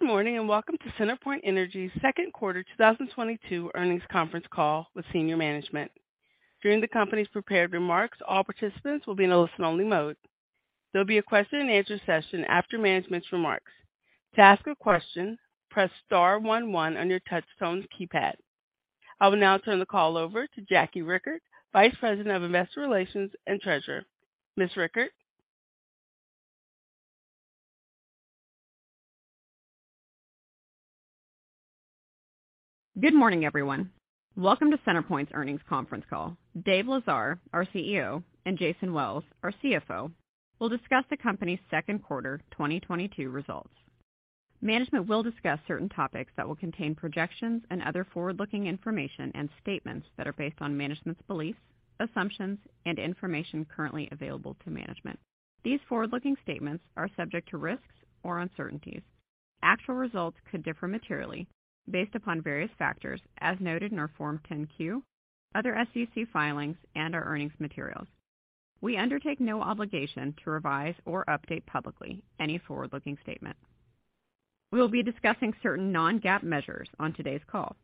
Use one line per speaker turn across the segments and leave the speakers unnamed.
Good morning, and welcome to CenterPoint Energy's Q2 2022 earnings conference call with senior management. During the company's prepared remarks, all participants will be in a listen-only mode. There'll be a question-and-answer session after management's remarks. To ask a question, press star one one on your touchtone keypad. I will now turn the call over to Jackie Richert, Vice President of Investor Relations and Treasurer. Ms. Richert?
Good morning, everyone. Welcome to CenterPoint's earnings conference call. Dave Lesar, our CEO, and Jason Wells, our CFO, will discuss the company's Q2 2022 results. Management will discuss certain topics that will contain projections and other forward-looking information and statements that are based on management's beliefs, assumptions, and information currently available to management. These forward-looking statements are subject to risks or uncertainties. Actual results could differ materially based upon various factors as noted in our Form 10-Q, other SEC filings, and our earnings materials. We undertake no obligation to revise or update publicly any forward-looking statement. We will be discussing certain non-GAAP measures on today's call.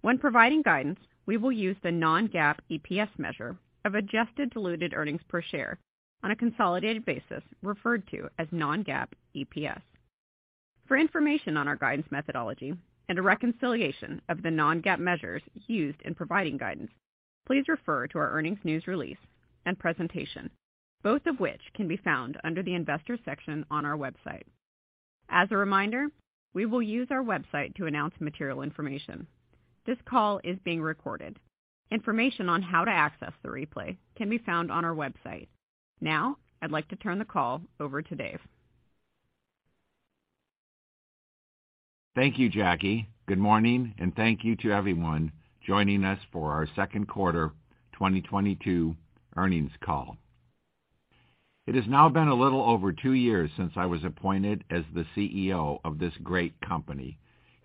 When providing guidance, we will use the non-GAAP EPS measure of adjusted diluted earnings per share on a consolidated basis, referred to as non-GAAP EPS. For information on our guidance methodology and a reconciliation of the non-GAAP measures used in providing guidance, please refer to our earnings news release and presentation, both of which can be found under the Investors section on our website. As a reminder, we will use our website to announce material information. This call is being recorded. Information on how to access the replay can be found on our website. Now, I'd like to turn the call over to Dave.
Thank you, Jackie. Good morning, and thank you to everyone joining us for our Q2 2022 earnings call. It has now been a little over 2 years since I was appointed as the CEO of this great company,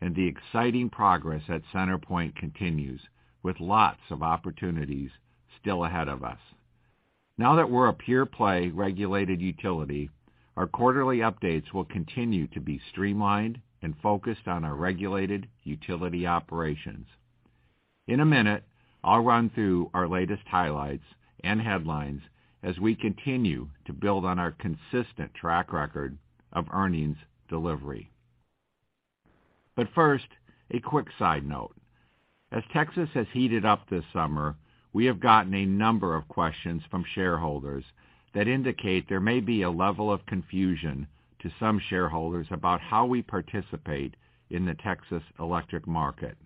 and the exciting progress at CenterPoint continues with lots of opportunities still ahead of us. Now that we're a pure-play regulated utility, our quarterly updates will continue to be streamlined and focused on our regulated utility operations. In a minute, I'll run through our latest highlights and headlines as we continue to build on our consistent track record of earnings delivery. First, a quick side note. As Texas has heated up this summer, we have gotten a number of questions from shareholders that indicate there may be a level of confusion to some shareholders about how we participate in the Texas electric market.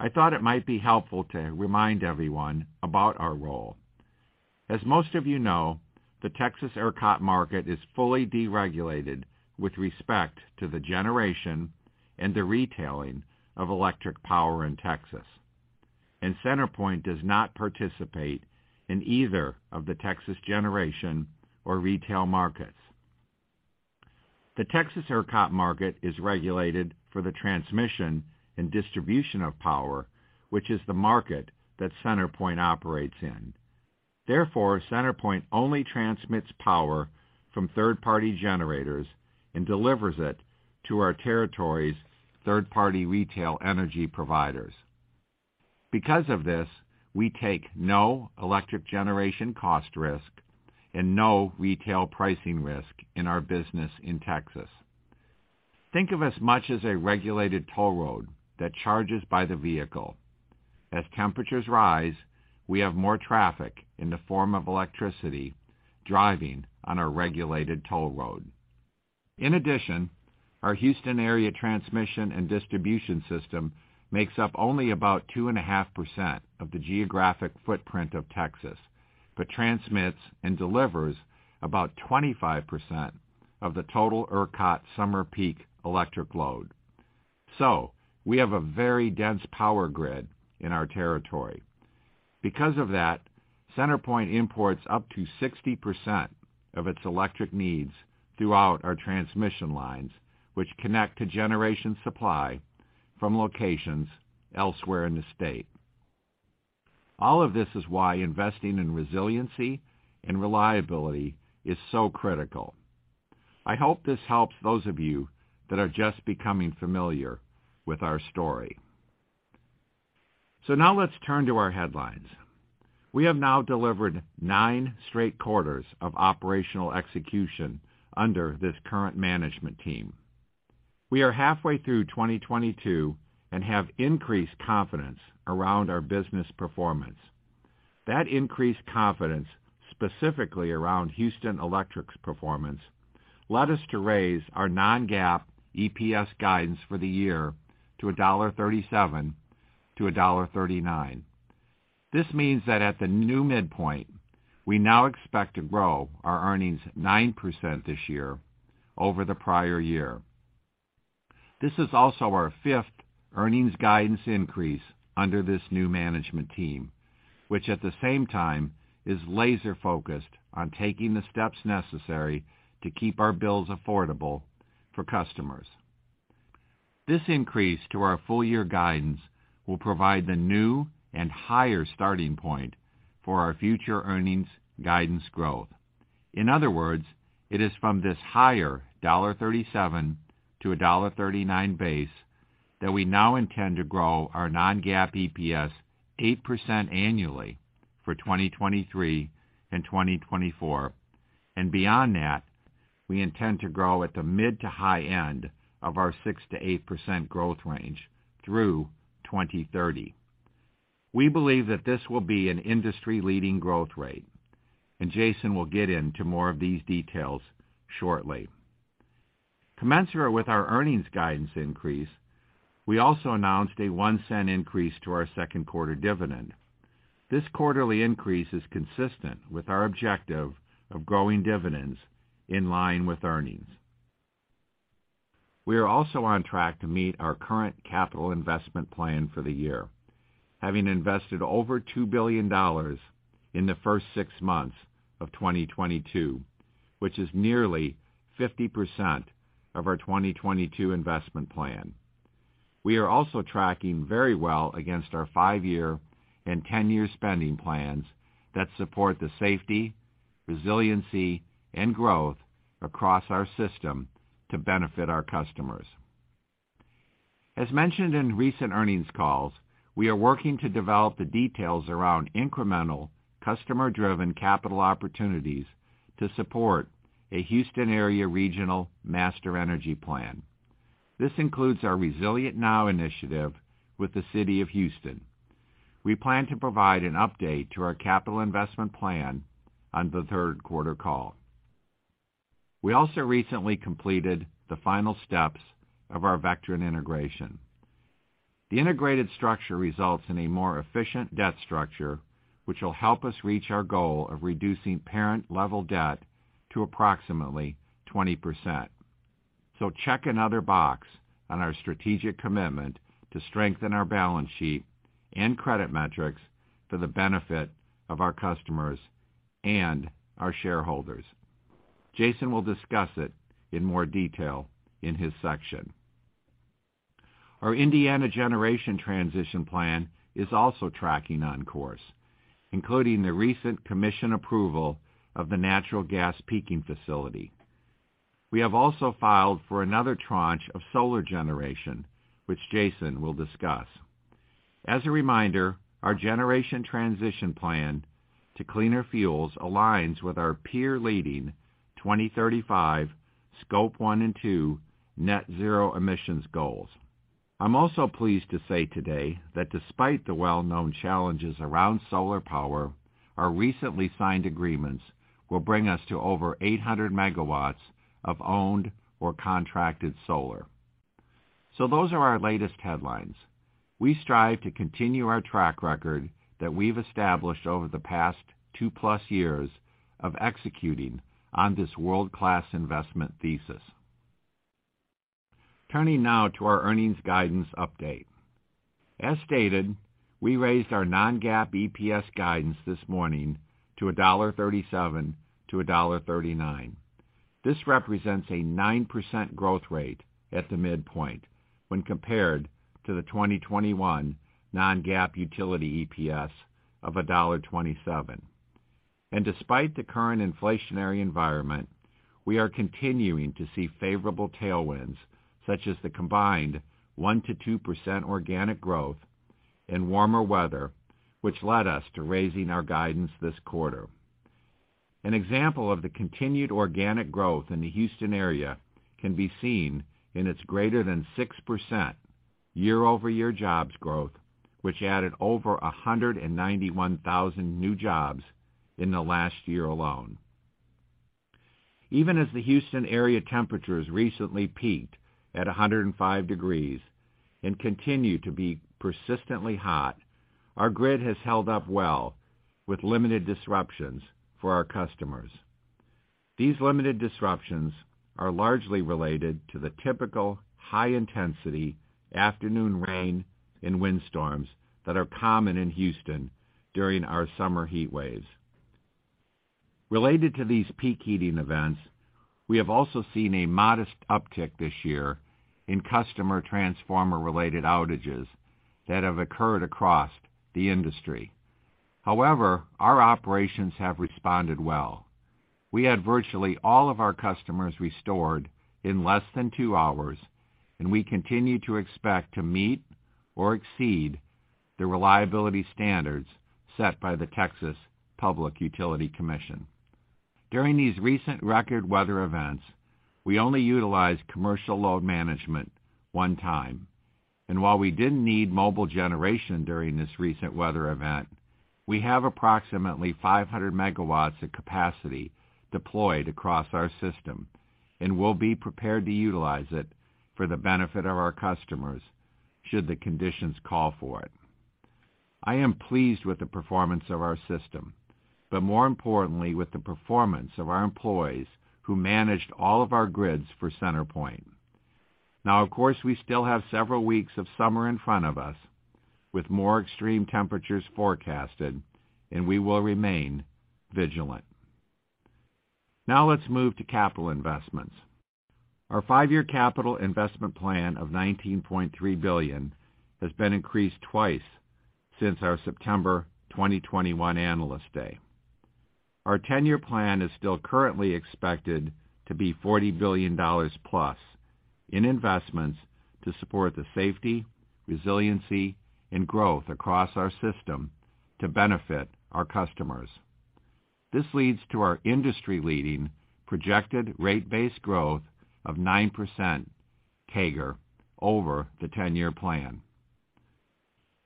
I thought it might be helpful to remind everyone about our role. As most of you know, the Texas ERCOT market is fully deregulated with respect to the generation and the retailing of electric power in Texas, and CenterPoint does not participate in either of the Texas generation or retail markets. The Texas ERCOT market is regulated for the transmission and distribution of power, which is the market that CenterPoint operates in. Therefore, CenterPoint only transmits power from third-party generators and delivers it to our territory's third-party retail energy providers. Because of this, we take no electric generation cost risk and no retail pricing risk in our business in Texas. Think of us much as a regulated toll road that charges by the vehicle. As temperatures rise, we have more traffic in the form of electricity driving on our regulated toll road. In addition, our Houston-area transmission and distribution system makes up only about 2.5% of the geographic footprint of Texas, but transmits and delivers about 25% of the total ERCOT summer peak electric load. We have a very dense power grid in our territory. Because of that, CenterPoint imports up to 60% of its electric needs throughout our transmission lines, which connect to generation supply from locations elsewhere in the state. All of this is why investing in resiliency and reliability is so critical. I hope this helps those of you that are just becoming familiar with our story. Now let's turn to our headlines. We have now delivered 9 straight quarters of operational execution under this current management team. We are halfway through 2022 and have increased confidence around our business performance. That increased confidence, specifically around Houston Electric's performance, led us to raise our non-GAAP EPS guidance for the year to $1.37 to $1.39. This means that at the new midpoint, we now expect to grow our earnings 9% this year over the prior year. This is also our 5th earnings guidance increase under this new management team, which at the same time is laser-focused on taking the steps necessary to keep our bills affordable for customers. This increase to our full year guidance will provide the new and higher starting point for our future earnings guidance growth. In other words, it is from this higher $1.37 to $1.39 base that we now intend to grow our non-GAAP EPS 8% annually for 2023 and 2024. Beyond that, we intend to grow at the mid to high end of our 6% to 8% growth range through 2030. We believe that this will be an industry-leading growth rate, and Jason will get into more of these details shortly. Commensurate with our earnings guidance increase, we also announced a $0.01 increase to our Q2 dividend. This quarterly increase is consistent with our objective of growing dividends in line with earnings. We are also on track to meet our current capital investment plan for the year, having invested over $2 billion in the first 6 months of 2022, which is nearly 50% of our 2022 investment plan. We are also tracking very well against our 5-year and 10-year spending plans that support the safety, resiliency, and growth across our system to benefit our customers. As mentioned in recent earnings calls, we are working to develop the details around incremental customer-driven capital opportunities to support a Houston area regional master energy plan. This includes our Resilient Now initiative with the City of Houston. We plan to provide an update to our capital investment plan on the Q3 call. We also recently completed the final steps of our Vectren integration. The integrated structure results in a more efficient debt structure, which will help us reach our goal of reducing parent level debt to approximately 20%. Check another box on our strategic commitment to strengthen our balance sheet and credit metrics for the benefit of our customers and our shareholders. Jason will discuss it in more detail in his section. Our Indiana generation transition plan is also tracking on course, including the recent commission approval of the natural gas peaking facility. We have also filed for another tranche of solar generation, which Jason will discuss. As a reminder, our generation transition plan to cleaner fuels aligns with our peer-leading 2035 Scope 1 and 2 net zero emissions goals. I'm also pleased to say today that despite the well-known challenges around solar power, our recently signed agreements will bring us to over 800 MW of owned or contracted solar. Those are our latest headlines. We strive to continue our track record that we've established over the past 2+ years of executing on this world-class investment thesis. Turning now to our earnings guidance update. As stated, we raised our non-GAAP EPS guidance this morning to $1.37 to $1.39. This represents a 9% growth rate at the midpoint when compared to the 2021 non-GAAP utility EPS of $1.27. Despite the current inflationary environment, we are continuing to see favorable tailwinds, such as the combined 1% to 2% organic growth and warmer weather, which led us to raising our guidance this quarter. An example of the continued organic growth in the Houston area can be seen in its greater than 6% year-over-year jobs growth, which added over 191,000 new jobs in the last year alone. Even as the Houston area temperatures recently peaked at 105 degrees and continue to be persistently hot, our grid has held up well with limited disruptions for our customers. These limited disruptions are largely related to the typical high-intensity afternoon rain and windstorms that are common in Houston during our summer heat waves. Related to these peak heating events, we have also seen a modest uptick this year in customer transformer-related outages that have occurred across the industry. However, our operations have responded well. We had virtually all of our customers restored in less than 2 hours, and we continue to expect to meet or exceed the reliability standards set by the Public Utility Commission of Texas. During these recent record weather events, we only utilized commercial load management one time. While we didn't need mobile generation during this recent weather event, we have approximately 500 MW of capacity deployed across our system and will be prepared to utilize it for the benefit of our customers should the conditions call for it. I am pleased with the performance of our system, but more importantly, with the performance of our employees who managed all of our grids for CenterPoint. Now, of course, we still have several weeks of summer in front of us with more extreme temperatures forecasted, and we will remain vigilant. Now let's move to capital investments. Our 5-year capital investment plan of $19.3 billion has been increased twice since our September 2021 Analyst Day. Our 10-year plan is still currently expected to be $40 billion+ in investments to support the safety, resiliency, and growth across our system to benefit our customers. This leads to our industry-leading projected rate-based growth of 9% CAGR over the 10-year plan.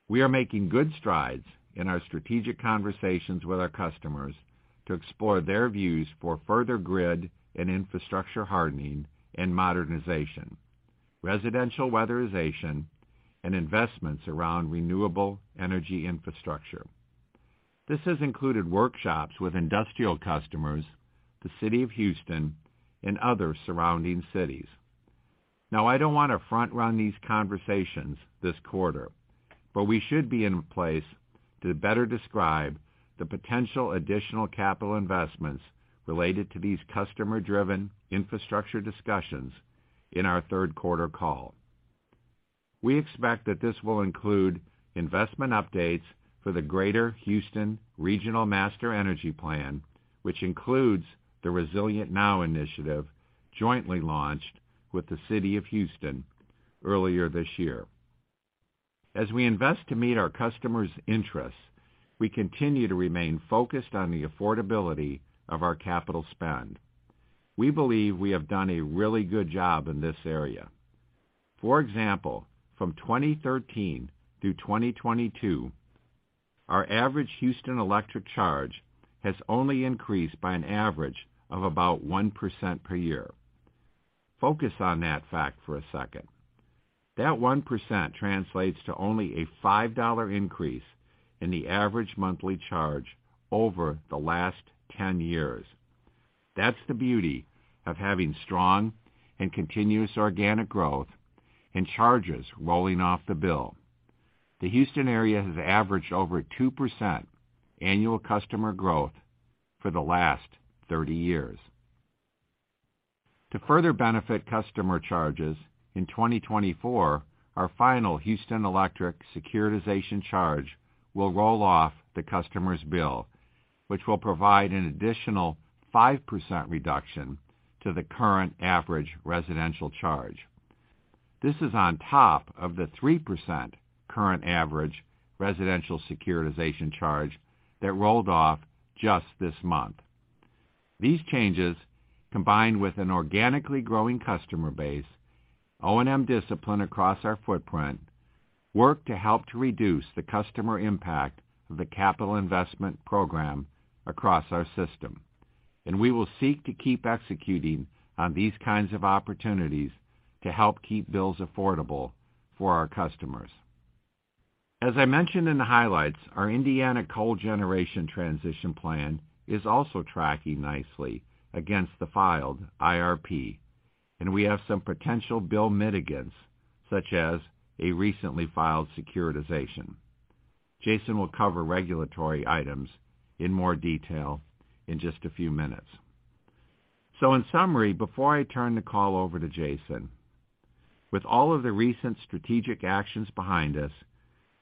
We are making good strides in our strategic conversations with our customers to explore their views for further grid and infrastructure hardening and modernization, residential weatherization, and investments around renewable energy infrastructure. This has included workshops with industrial customers, the City of Houston, and other surrounding cities. Now, I don't want to front-run these conversations this quarter, but we should be in place to better describe the potential additional capital investments related to these customer-driven infrastructure discussions in our Q3 call. We expect that this will include investment updates for the Greater Houston Regional Master Energy Plan, which includes the Resilient Now initiative, jointly launched with the City of Houston earlier this year. As we invest to meet our customers' interests, we continue to remain focused on the affordability of our capital spend. We believe we have done a really good job in this area. For example, from 2013 through 2022, our average Houston Electric charge has only increased by an average of about 1% per year. Focus on that fact for a second. That 1% translates to only a $5 increase in the average monthly charge over the last 10 years. That's the beauty of having strong and continuous organic growth and charges rolling off the bill. The Houston area has averaged over 2% annual customer growth for the last 30 years. To further benefit customer charges, in 2024, our final Houston Electric securitization charge will roll off the customer's bill, which will provide an additional 5% reduction to the current average residential charge. This is on top of the 3% current average residential securitization charge that rolled off just this month. These changes, combined with an organically growing customer base, O&M discipline across our footprint, work to help to reduce the customer impact of the capital investment program across our system, and we will seek to keep executing on these kinds of opportunities to help keep bills affordable for our customers. As I mentioned in the highlights, our Indiana coal generation transition plan is also tracking nicely against the filed IRP, and we have some potential bill mitigants, such as a recently filed securitization. Jason will cover regulatory items in more detail in just a few minutes. In summary, before I turn the call over to Jason, with all of the recent strategic actions behind us,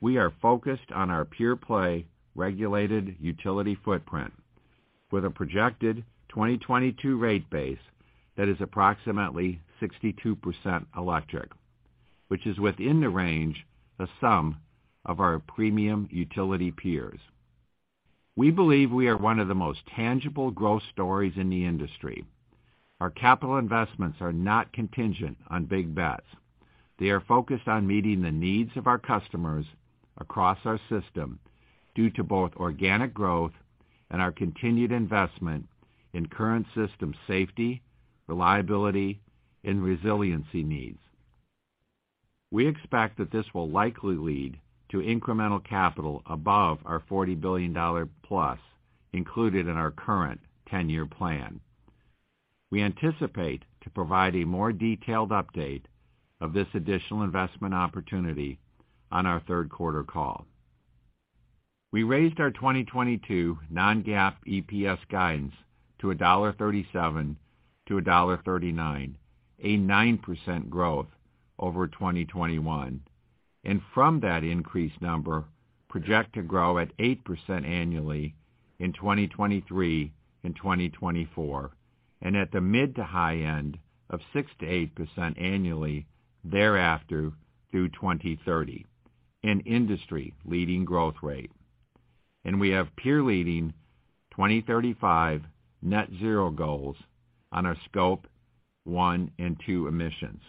we are focused on our pure-play regulated utility footprint with a projected 2022 rate base that is approximately 62% electric, which is within the range of some of our premium utility peers. We believe we are one of the most tangible growth stories in the industry. Our capital investments are not contingent on big bets. They are focused on meeting the needs of our customers across our system due to both organic growth and our continued investment in current system safety, reliability, and resiliency needs. We expect that this will likely lead to incremental capital above our $40 billion+ included in our current 10-year plan. We anticipate to provide a more detailed update of this additional investment opportunity on our Q3 call. We raised our 2022 non-GAAP EPS guidance to $1.37 to $1.39, a 9% growth over 2021. From that increased number, project to grow at 8% annually in 2023 and 2024, and at the mid to high end of 6% to 8% annually thereafter through 2030, an industry-leading growth rate. We have peer-leading 2035 net zero goals on our Scope 1 and 2 emissions.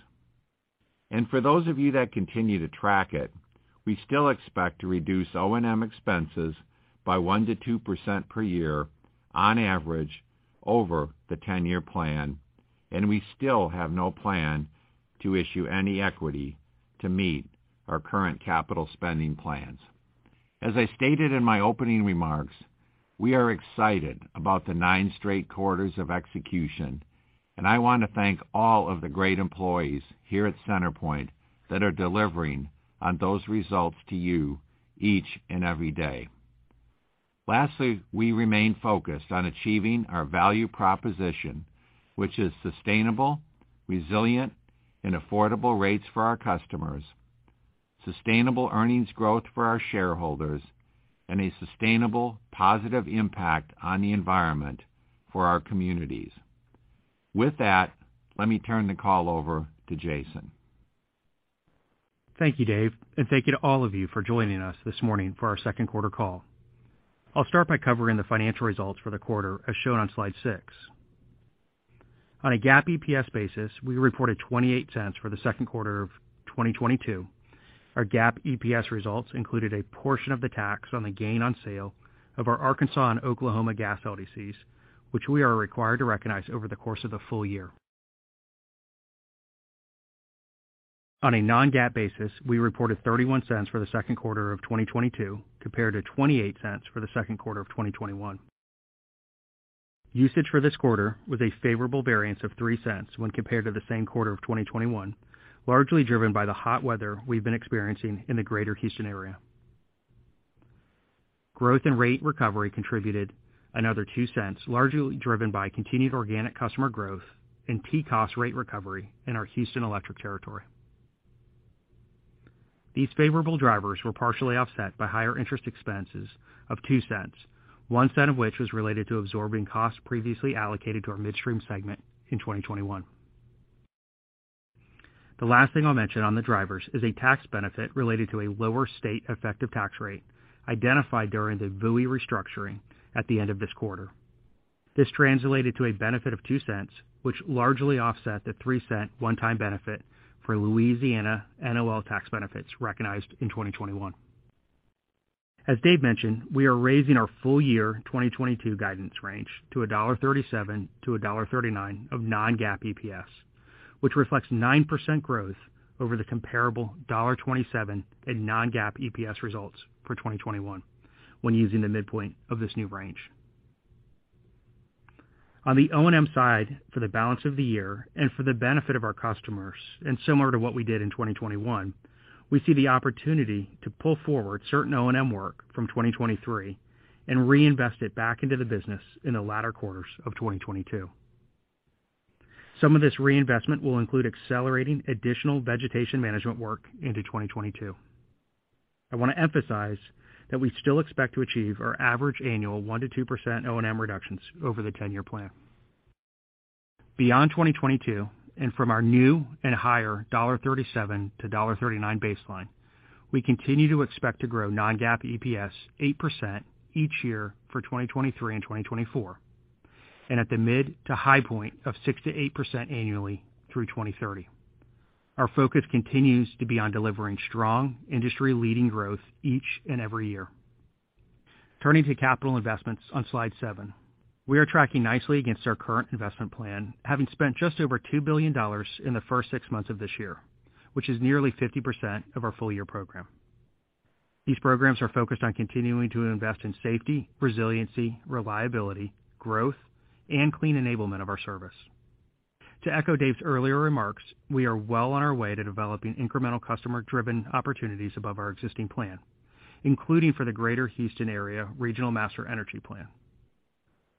For those of you that continue to track it, we still expect to reduce O&M expenses by 1% to 2% per year on average over the 10-year plan, and we still have no plan to issue any equity to meet our current capital spending plans. As I stated in my opening remarks, we are excited about the 9 straight quarters of execution. I want to thank all of the great employees here at CenterPoint that are delivering on those results to you each and every day. Lastly, we remain focused on achieving our value proposition, which is sustainable, resilient and affordable rates for our customers, sustainable earnings growth for our shareholders, and a sustainable positive impact on the environment for our communities. With that, let me turn the call over to Jason.
Thank you, Dave, and thank you to all of you for joining us this morning for our Q2 call. I'll start by covering the financial results for the quarter as shown on slide 6. On a GAAP EPS basis, we reported $0.28 for the Q2 of 2022. Our GAAP EPS results included a portion of the tax on the gain on sale of our Arkansas and Oklahoma gas LDCs, which we are required to recognize over the course of the full year. On a non-GAAP basis, we reported $0.31 for the Q2 of 2022 compared to $0.28 for the Q2 of 2021. Usage for this quarter was a favorable variance of $0.03 when compared to the same quarter of 2021, largely driven by the hot weather we've been experiencing in the greater Houston area. Growth and rate recovery contributed another $0.02, largely driven by continued organic customer growth and TCOS rate recovery in our Houston Electric territory. These favorable drivers were partially offset by higher interest expenses of $0.02, $0.01 of which was related to absorbing costs previously allocated to our midstream segment in 2021. The last thing I'll mention on the drivers is a tax benefit related to a lower state effective tax rate identified during the Vectren restructuring at the end of this quarter. This translated to a benefit of $0.02, which largely offset the $0.03 one-time benefit for Louisiana NOL tax benefits recognized in 2021. As Dave mentioned, we are raising our full-year 2022 guidance range to $1.37 to $1.39 of non-GAAP EPS, which reflects 9% growth over the comparable $1.27 in non-GAAP EPS results for 2021 when using the midpoint of this new range. On the O&M side for the balance of the year and for the benefit of our customers and similar to what we did in 2021, we see the opportunity to pull forward certain O&M work from 2023 and reinvest it back into the business in the latter quarters of 2022. Some of this reinvestment will include accelerating additional vegetation management work into 2022. I want to emphasize that we still expect to achieve our average annual 1% to 2% O&M reductions over the 10-year plan. Beyond 2022 and from our new and higher $1.37 to $1.39 baseline, we continue to expect to grow non-GAAP EPS 8% each year for 2023 and 2024, and at the mid to high point of 6% to 8% annually through 2030. Our focus continues to be on delivering strong industry-leading growth each and every year. Turning to capital investments on slide 7. We are tracking nicely against our current investment plan, having spent just over $2 billion in the first 6 months of this year, which is nearly 50% of our full year program. These programs are focused on continuing to invest in safety, resiliency, reliability, growth, and clean enablement of our service. To echo Dave's earlier remarks, we are well on our way to developing incremental customer-driven opportunities above our existing plan, including for the greater Houston area regional master energy plan.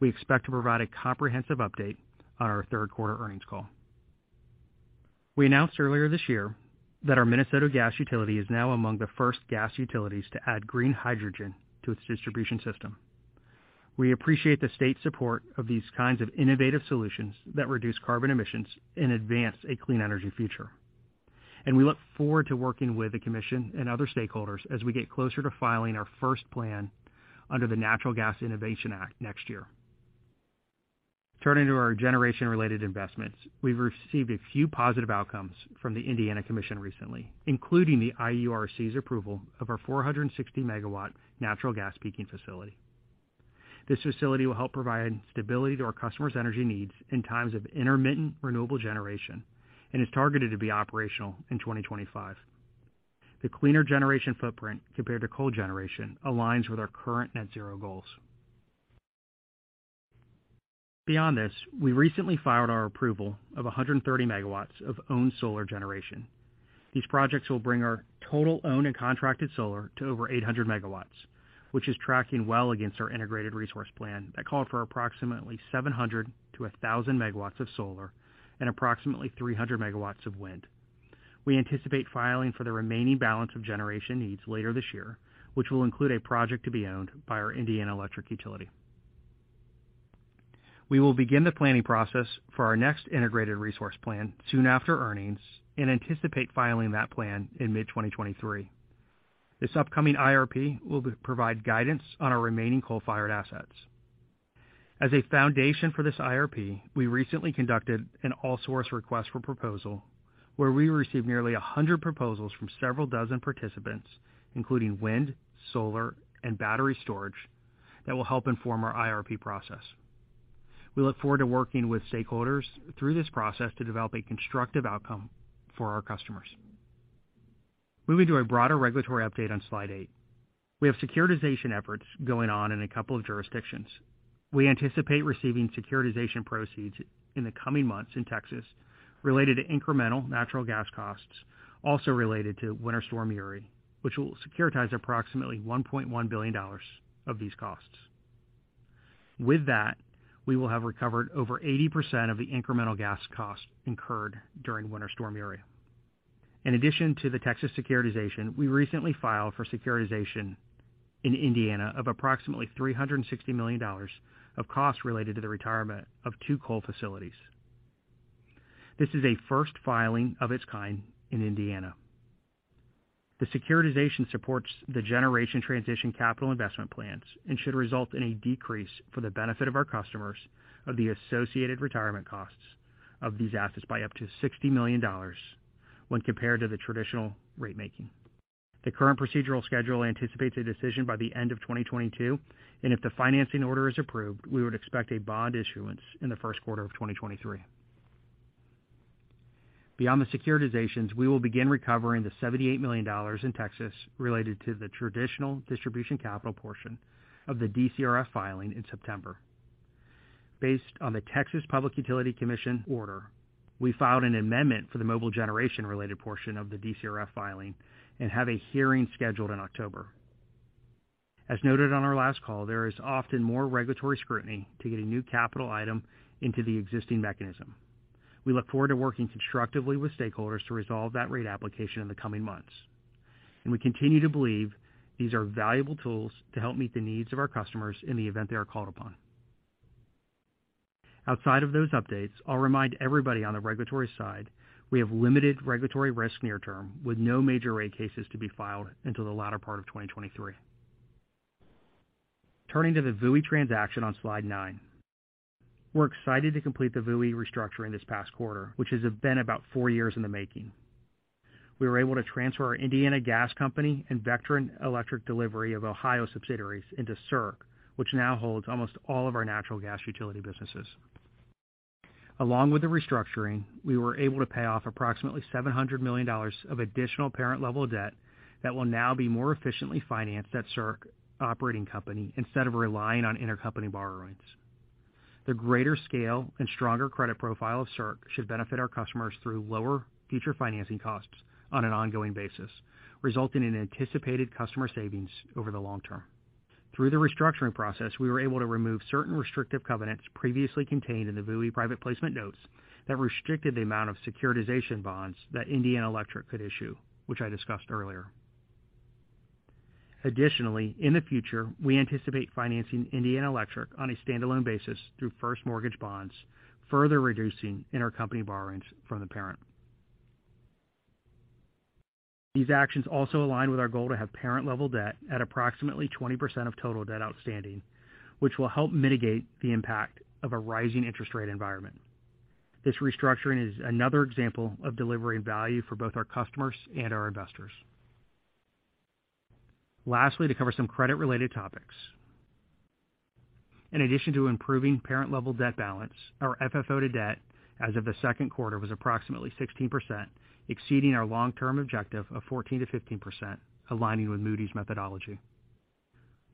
We expect to provide a comprehensive update on our Q3 earnings call. We announced earlier this year that our Minnesota Gas Utility is now among the first gas utilities to add green hydrogen to its distribution system. We appreciate the state support of these kinds of innovative solutions that reduce carbon emissions and advance a clean energy future. We look forward to working with the Commission and other stakeholders as we get closer to filing our first plan under the Natural Gas Innovation Act next year. Turning to our generation-related investments. We have received a few positive outcomes from the Indiana Commission recently, including the IURC's approval of our 460-MW natural gas peaking facility. This facility will help provide stability to our customers' energy needs in times of intermittent renewable generation and is targeted to be operational in 2025. The cleaner generation footprint compared to coal generation aligns with our current net zero goals. Beyond this, we recently filed for approval of 130 MW of owned solar generation. These projects will bring our total owned and contracted solar to over 800 MW, which is tracking well against our integrated resource plan that called for approximately 700 MW to 1,000 MW of solar and approximately 300 MW of wind. We anticipate filing for the remaining balance of generation needs later this year, which will include a project to be owned by our Indiana Electric Utility. We will begin the planning process for our next integrated resource plan soon after earnings and anticipate filing that plan in mid-2023. This upcoming IRP will provide guidance on our remaining coal-fired assets. As a foundation for this IRP, we recently conducted an all source request for proposal, where we received nearly 100 proposals from several dozen participants, including wind, solar, and battery storage that will help inform our IRP process. We look forward to working with stakeholders through this process to develop a constructive outcome for our customers. Moving to a broader regulatory update on slide 8. We have securitization efforts going on in a couple of jurisdictions. We anticipate receiving securitization proceeds in the coming months in Texas related to incremental natural gas costs, also related to Winter Storm Uri, which will securitize approximately $1.1 billion of these costs. With that, we will have recovered over 80% of the incremental gas costs incurred during Winter Storm Uri. In addition to the Texas securitization, we recently filed for securitization in Indiana of approximately $360 million of costs related to the retirement of 2 coal facilities. This is a first filing of its kind in Indiana. The securitization supports the generation transition capital investment plans and should result in a decrease for the benefit of our customers of the associated retirement costs of these assets by up to $60 million when compared to the traditional rate making. The current procedural schedule anticipates a decision by the end of 2022, and if the financing order is approved, we would expect a bond issuance in the Q1 of 2023. Beyond the securitizations, we will begin recovering the $78 million in Texas related to the traditional distribution capital portion of the DCRF filing in September. Based on the Public Utility Commission of Texas order, we filed an amendment for the mobile generation related portion of the DCRF filing and have a hearing scheduled in October. As noted on our last call, there is often more regulatory scrutiny to get a new capital item into the existing mechanism. We look forward to working constructively with stakeholders to resolve that rate application in the coming months. We continue to believe these are valuable tools to help meet the needs of our customers in the event they are called upon. Outside of those updates, I'll remind everybody on the regulatory side, we have limited regulatory risk near term with no major rate cases to be filed until the latter part of 2023. Turning to the VUI transaction on slide 9. We're excited to complete the VUI restructuring this past quarter, which has been about 4 years in the making. We were able to transfer our Indiana Gas Company and Vectren Energy Delivery of Ohio subsidiaries into CIRC, which now holds almost all of our natural gas utility businesses. Along with the restructuring, we were able to pay off approximately $700 million of additional parent-level debt that will now be more efficiently financed at CIRC operating company instead of relying on intercompany borrowings. The greater scale and stronger credit profile of CIRC should benefit our customers through lower future financing costs on an ongoing basis, resulting in anticipated customer savings over the long term. Through the restructuring process, we were able to remove certain restrictive covenants previously contained in the VUI private placement notes that restricted the amount of securitization bonds that Indiana Electric could issue, which I discussed earlier. Additionally, in the future, we anticipate financing Indiana Electric on a standalone basis through first mortgage bonds, further reducing intercompany borrowings from the parent. These actions also align with our goal to have parent level debt at approximately 20% of total debt outstanding, which will help mitigate the impact of a rising interest rate environment. This restructuring is another example of delivering value for both our customers and our investors. Lastly, to cover some credit-related topics. In addition to improving parent level debt balance, our FFO to debt as of the Q2 was approximately 16%, exceeding our long-term objective of 14% to 15%, aligning with Moody's methodology.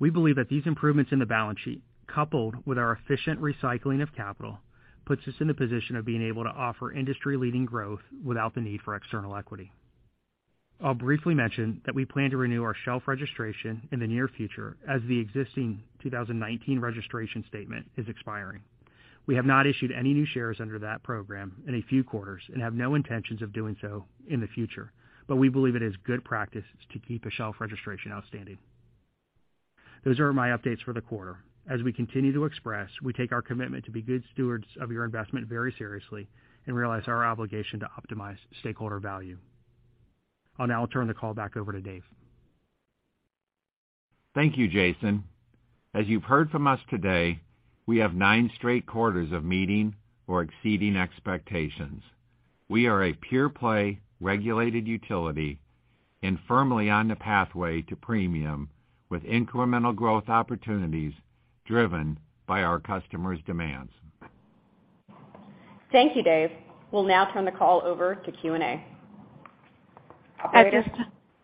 We believe that these improvements in the balance sheet, coupled with our efficient recycling of capital, puts us in the position of being able to offer industry-leading growth without the need for external equity. I'll briefly mention that we plan to renew our shelf registration in the near future as the existing 2019 registration statement is expiring. We have not issued any new shares under that program in a few quarters and have no intentions of doing so in the future, but we believe it is good practice to keep a shelf registration outstanding. Those are my updates for the quarter. As we continue to express, we take our commitment to be good stewards of your investment very seriously and realize our obligation to optimize stakeholder value. I'll now turn the call back over to Dave.
Thank you, Jason. As you've heard from us today, we have 9 straight quarters of meeting or exceeding expectations. We are a pure-play regulated utility and firmly on the pathway to premium with incremental growth opportunities driven by our customers' demands.
Thank you, Dave. We'll now turn the call over to Q&A. Operator?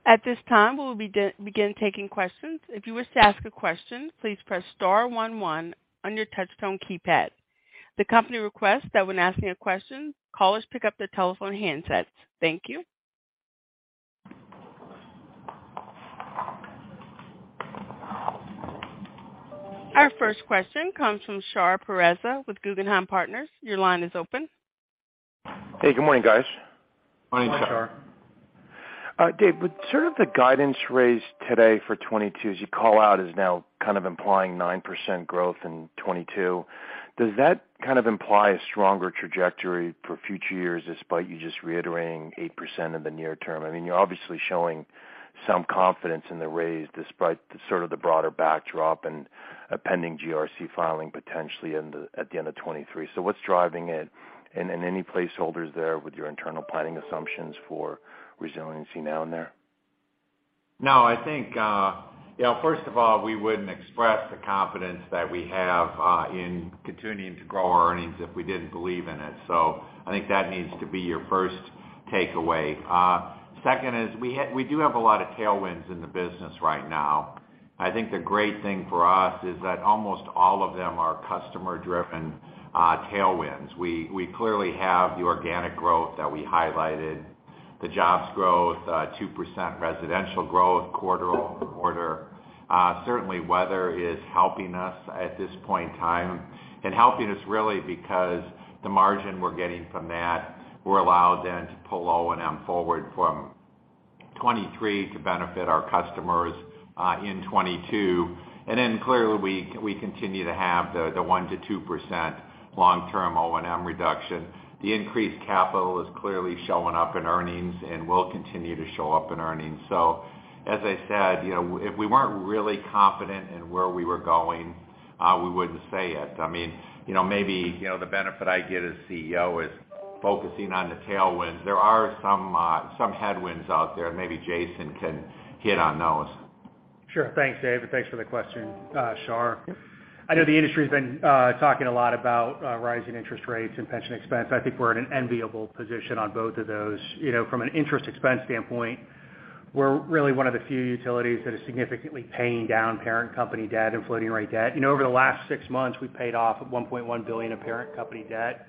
At this time, we'll begin taking questions. If you wish to ask a question, please press star one one on your touch tone keypad. The company requests that when asking a question, callers pick up their telephone handsets. Thank you. Our first question comes from Shar Pourreza with Guggenheim Partners. Your line is open.
Hey, good morning, guys.
Morning, Shar.
Hi, Shar.
Dave, with sort of the guidance raised today for 2022, as you call out, is now kind of implying 9% growth in 2022, does that kind of imply a stronger trajectory for future years, despite you just reiterating 8% in the near term? I mean, you're obviously showing some confidence in the raise despite the sort of broader backdrop and a pending GRC filing potentially at the end of 2023. What's driving it? And any placeholders there with your internal planning assumptions for Resilient Now and there?
No, I think, you know, first of all, we wouldn't express the confidence that we have in continuing to grow our earnings if we didn't believe in it. I think that needs to be your first takeaway. Second is we do have a lot of tailwinds in the business right now. I think the great thing for us is that almost all of them are customer-driven tailwinds. We clearly have the organic growth that we highlighted, the jobs growth, 2% residential growth quarter-over-quarter. Certainly weather is helping us at this point in time, and helping us really because the margin we're getting from that will allow then to pull O&M forward from 2023 to benefit our customers in 2022. Then clearly we continue to have the 1% to 2% long-term O&M reduction. The increased capital is clearly showing up in earnings and will continue to show up in earnings. As I said, you know, if we weren't really confident in where we were going, we wouldn't say it. I mean, you know, maybe, you know, the benefit I get as CEO is focusing on the tailwinds. There are some headwinds out there, and maybe Jason can hit on those.
Sure. Thanks, Dave, and thanks for the question, Shar. I know the industry's been talking a lot about rising interest rates and pension expense. I think we're in an enviable position on both of those. You know, from an interest expense standpoint, we're really one of the few utilities that is significantly paying down parent company debt and floating rate debt. You know, over the last 6 months, we paid off $1.1 billion of parent company debt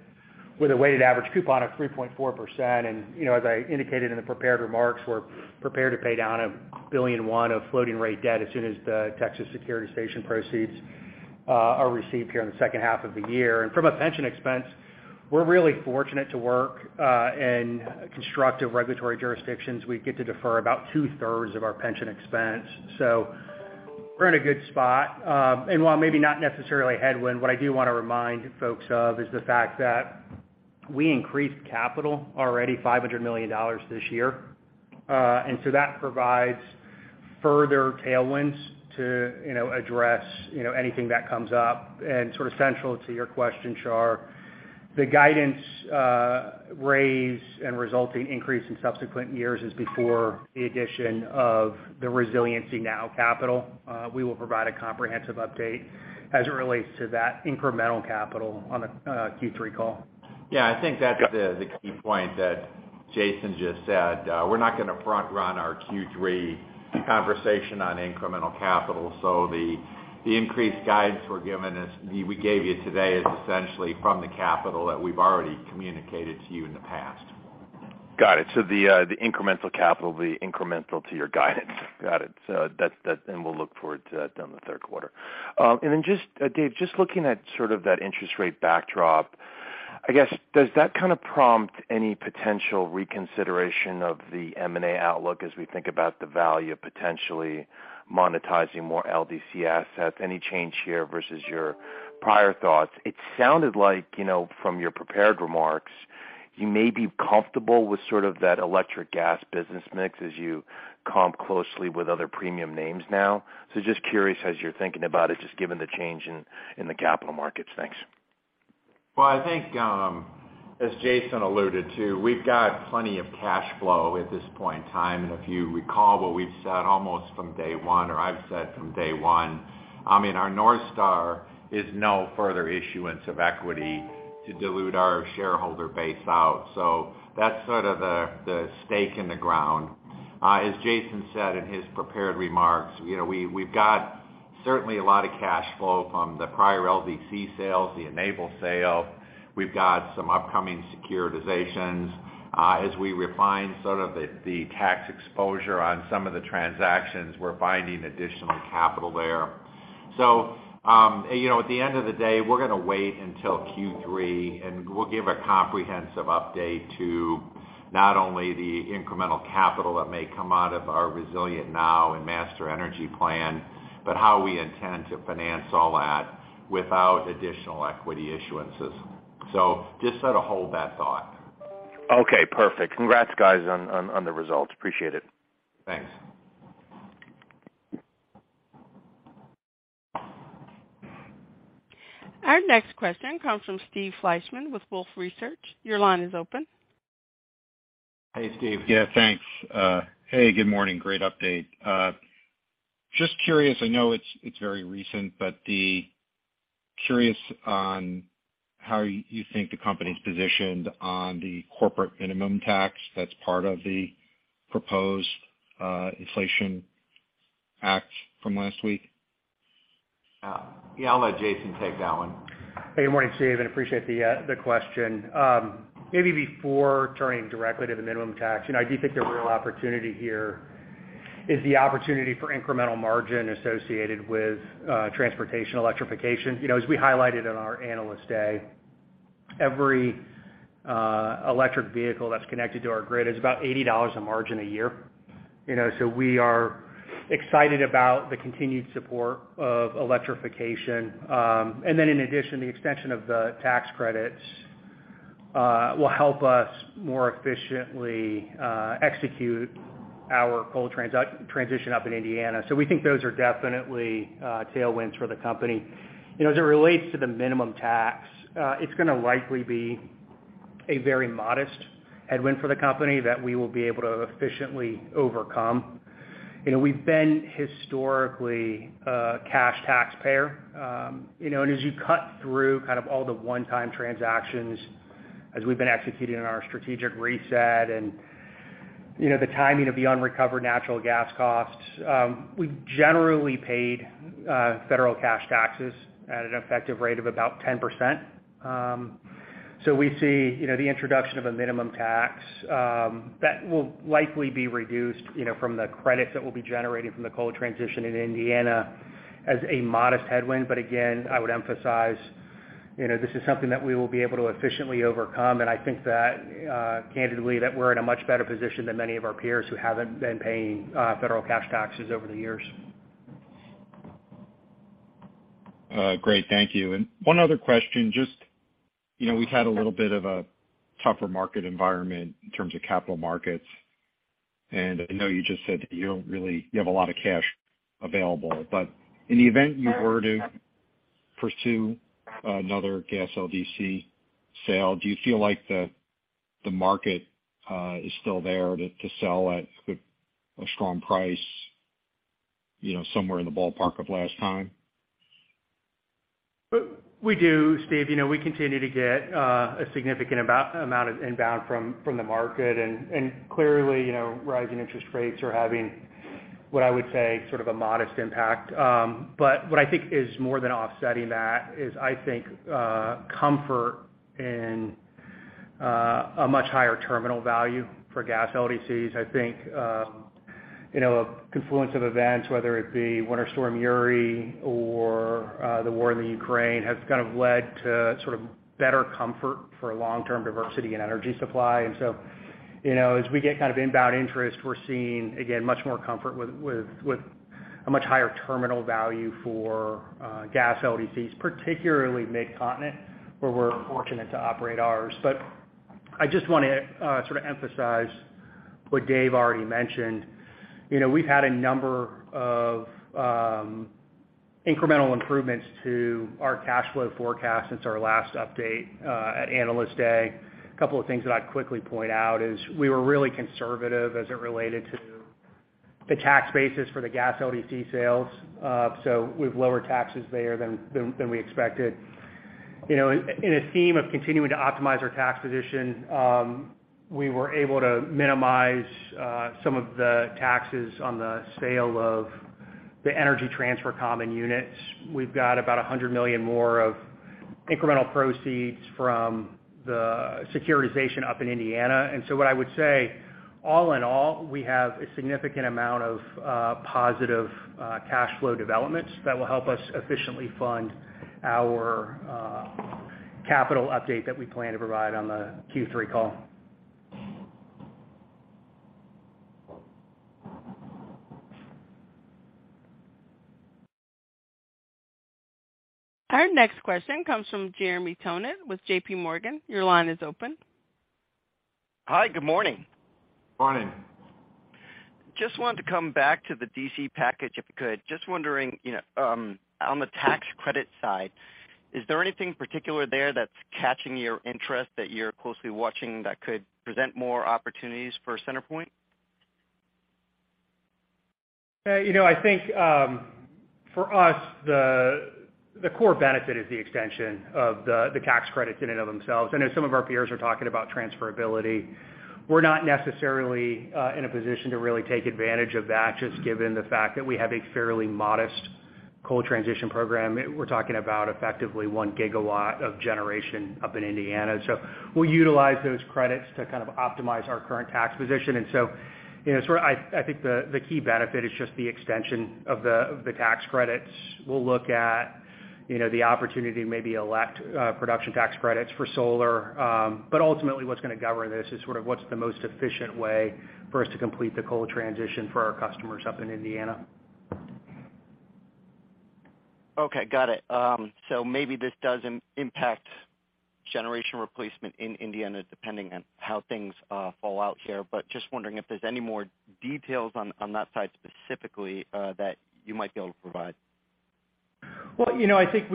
with a weighted average coupon of 3.4%. You know, as I indicated in the prepared remarks, we're prepared to pay down $1.1 billion of floating rate debt as soon as the Texas securitization proceeds are received here in the H2 of the year. From a pension expense, we're really fortunate to work in constructive regulatory jurisdictions. We get to defer about 2/3 of our pension expense. We're in a good spot. While maybe not necessarily a headwind, what I do wanna remind folks of is the fact that we increased capital already $500 million this year. That provides further tailwinds to, you know, address, you know, anything that comes up. Sort of central to your question, Shar, the guidance raise and resulting increase in subsequent years is before the addition of the Resilient Now capital. We will provide a comprehensive update as it relates to that incremental capital on the Q3 call.
Yeah. I think that's the key point that Jason just said. We're not gonna front run our Q3 conversation on incremental capital. The increased guidance we gave you today is essentially from the capital that we've already communicated to you in the past.
Got it. The incremental capital will be incremental to your guidance. Got it. That and we'll look forward to that in the Q3. Then just Dave, just looking at sort of that interest rate backdrop, I guess, does that kind of prompt any potential reconsideration of the M&A outlook as we think about the value potentially monetizing more LDC assets? Any change here versus your prior thoughts? It sounded like, you know, from your prepared remarks, you may be comfortable with sort of that electric gas business mix as you comp closely with other premium names now. Just curious as you're thinking about it, just given the change in the capital markets. Thanks.
Well, I think, as Jason alluded to, we've got plenty of cash flow at this point in time. If you recall what we've said almost from day 1, or I've said from day 1, I mean, our North Star is no further issuance of equity to dilute our shareholder base out. That's sort of the stake in the ground. As Jason said in his prepared remarks, you know, we've got certainly a lot of cash flow from the prior LDC sales, the Enable sale. We've got some upcoming securitizations. As we refine sort of the tax exposure on some of the transactions, we're finding additional capital there. you know, at the end of the day, we're gonna wait until Q3, and we'll give a comprehensive update to not only the incremental capital that may come out of our Resilient Now and Master Energy Plan, but how we intend to finance all that without additional equity issuances. Just sort of hold that thought.
Okay, perfect. Congrats, guys, on the results. Appreciate it.
Thanks.
Our next question comes from Steve Fleishman with Wolfe Research. Your line is open.
Hey, Steve. Thanks. Hey, good morning. Great update. Just curious, I know it's very recent, but curious on how you think the company's positioned on the corporate minimum tax that's part of the proposed Inflation Reduction Act from last week.
Yeah, I'll let Jason take that one.
Hey, good morning, Steve, and I appreciate the question. Maybe before turning directly to the minimum tax, you know, I do think the real opportunity here is the opportunity for incremental margin associated with transportation electrification. You know, as we highlighted in our Analyst Day, every electric vehicle that's connected to our grid is about $80 in margin a year, you know? So we are excited about the continued support of electrification. Then in addition, the extension of the tax credits will help us more efficiently execute our coal transition up in Indiana. We think those are definitely tailwinds for the company. You know, as it relates to the minimum tax, it's gonna likely be a very modest headwind for the company that we will be able to efficiently overcome. You know, we've been historically a cash taxpayer, you know, and as you cut through kind of all the one-time transactions as we've been executing on our strategic reset and, you know, the timing of the unrecovered natural gas costs, we generally paid federal cash taxes at an effective rate of about 10%. You know, we see the introduction of a minimum tax that will likely be reduced from the credits that we'll be generating from the coal transition in Indiana as a modest headwind. Again, I would emphasize, you know, this is something that we will be able to efficiently overcome. I think that, candidly, we're in a much better position than many of our peers who haven't been paying federal cash taxes over the years.
Great. Thank you. 1 other question, just, you know, we've had a little bit of a tougher market environment in terms of capital markets. I know you just said that you have a lot of cash available. In the event you were to pursue another gas LDC sale, do you feel like the market is still there to sell at a strong price, you know, somewhere in the ballpark of last time?
We do, Steve. You know, we continue to get a significant amount of inbound from the market. Clearly, you know, rising interest rates are having what I would say sort of a modest impact. What I think is more than offsetting that is, I think, comfort in a much higher terminal value for gas LDCs. I think, you know, a confluence of events, whether it be Winter Storm Uri or the war in Ukraine, has kind of led to sort of better comfort for long-term diversity and energy supply. You know, as we get kind of inbound interest, we're seeing, again, much more comfort with a much higher terminal value for gas LDCs, particularly Midcontinent, where we're fortunate to operate ours. I just wanna sort of emphasize what Dave already mentioned. You know, we've had a number of incremental improvements to our cash flow forecast since our last update at Analyst Day. A couple of things that I'd quickly point out is we were really conservative as it related to the tax basis for the gas LDC sales, so we have lower taxes there than we expected. You know, in a theme of continuing to optimize our tax position, we were able to minimize some of the taxes on the sale of the Energy Transfer common units. We've got about $100 million more of incremental proceeds from the securitization up in Indiana. What I would say, all in all, we have a significant amount of positive cash flow developments that will help us efficiently fund our capital update that we plan to provide on the Q3 call.
Our next question comes from Jeremy Tonet with J.P. Morgan. Your line is open.
Hi. Good morning.
Morning.
Just wanted to come back to the D.C. package, if you could. Just wondering, you know, on the tax credit side, is there anything particular there that's catching your interest that you're closely watching that could present more opportunities for CenterPoint?
You know, I think, for us, the core benefit is the extension of the tax credits in and of themselves. I know some of our peers are talking about transferability. We're not necessarily in a position to really take advantage of that, just given the fact that we have a fairly modest coal transition program. We're talking about effectively 1 gigawatt of generation up in Indiana. We'll utilize those credits to kind of optimize our current tax position. You know, sort of I think the key benefit is just the extension of the tax credits. We'll look at, you know, the opportunity to maybe elect production tax credits for solar. Ultimately, what's gonna govern this is sort of what's the most efficient way for us to complete the coal transition for our customers up in Indiana.
Okay, got it. Maybe this does impact generation replacement in Indiana, depending on how things fall out here, but just wondering if there's any more details on that side specifically that you might be able to provide.
You know, I think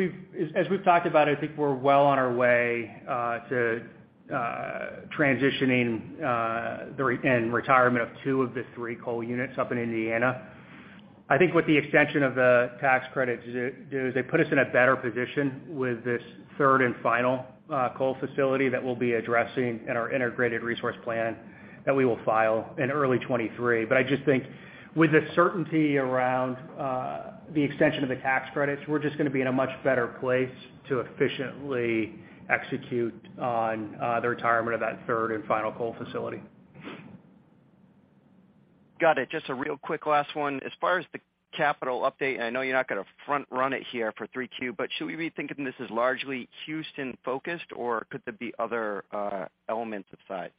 as we've talked about, I think we're well on our way to transitioning and retirement of 2 of the 3 coal units up in Indiana. I think what the extension of the tax credits does is they put us in a better position with this third and final coal facility that we'll be addressing in our integrated resource plan that we will file in early 2023. I just think with the certainty around the extension of the tax credits, we're just gonna be in a much better place to efficiently execute on the retirement of that third and final coal facility.
Got it. Just a real quick last one. As far as the capital update, and I know you're not gonna front run it here for 3Q, but should we be thinking this is largely Houston-focused, or could there be other elements inside?